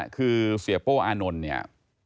คือเสียโป้อานนท์เนี่ย